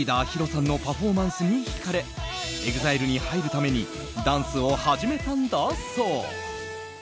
ＨＩＲＯさんのパフォーマンスに引かれＥＸＩＬＥに入るためにダンスを始めたんだそう。